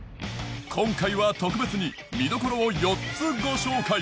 今回は特別に見どころを４つご紹介